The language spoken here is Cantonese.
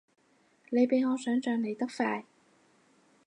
你比我想像嚟得快